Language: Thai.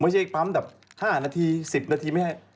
ใช้ปั๊มแบบ๕นาที๑๐นาทีไม่ให้